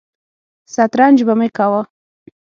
سترنج به مې کاوه.